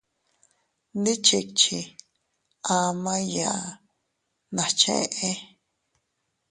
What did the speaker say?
Ndichichi ama iiyaa nas cheé.